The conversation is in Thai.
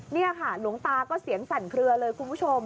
นี่ค่ะหลวงตาก็เสียงสั่นเคลือเลยคุณผู้ชม